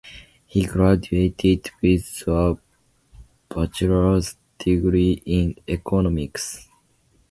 He graduated with a bachelor's degree in Economics.